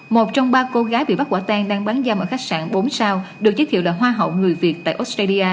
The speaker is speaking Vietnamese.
một trong ba cô gái bị bắt quả tan đang bán dâm ở khách sạn bốn sao được giới thiệu là hoa hậu người việt tại australia